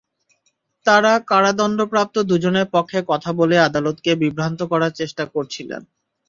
তাঁরা কারাদণ্ডপ্রাপ্ত দুজনের পক্ষে কথা বলে আদালতকে বিভ্রান্ত করার চেষ্টা করছিলেন।